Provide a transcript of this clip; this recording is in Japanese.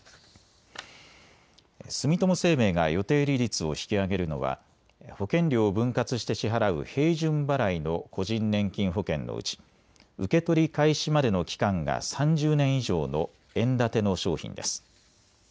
住友生命が予定利率を引き上げるのは保険料を分割して支払う平準払いの個人年金保険のうち受け取り開始までの期間が３０年以上の円建ての商品です。